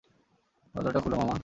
দরজাটা খুলো, মামা!